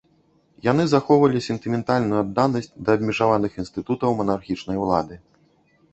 Яны захоўвалі сентыментальную адданасць да абмежаваных інстытутаў манархічнай улады.